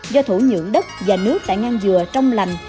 do thủ nhượng đất và nước tại ngang dừa trong lành